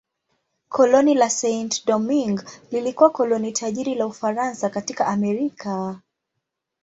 Koloni la Saint-Domingue lilikuwa koloni tajiri la Ufaransa katika Amerika.